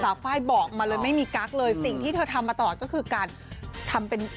ไฟล์บอกมาเลยไม่มีกั๊กเลยสิ่งที่เธอทำมาตลอดก็คือการทำเป็น